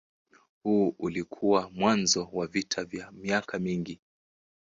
Huu ulikuwa mwanzo wa vita vya miaka mingi.